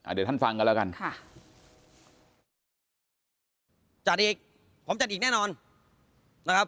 เดี๋ยวท่านฟังกันแล้วกันค่ะจัดอีกผมจัดอีกแน่นอนนะครับ